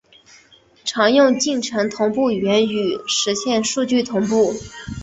常用进程同步原语实现数据同步。